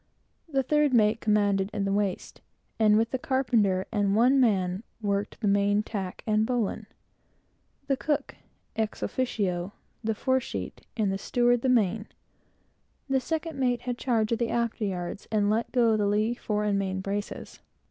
The third mate commanded in the waist, and, with the carpenter and one man, worked the main tack and bowlines; the cook, ex officio, the fore sheet, and the steward the main. The second mate had charge of the after yards, and let go the lee fore and main braces.